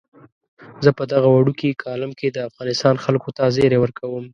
زه په دغه وړوکي کالم کې د افغانستان خلکو ته زیری ورکوم.